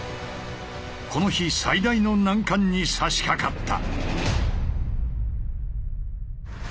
この日最大の難関にさしかかった。